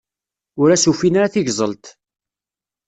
Ur as-ufin ara tigẓelt.